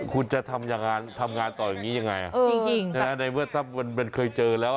คุณจะทำงานต่ออย่างนี้อย่างไรนะในเมื่อที่มันเคยเจอแล้ว